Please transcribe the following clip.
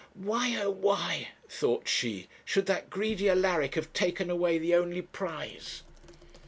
'Why, oh why,' thought she, 'should that greedy Alaric have taken away the only prize?'